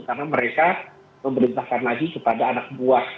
karena mereka memerintahkan lagi kepada anak buah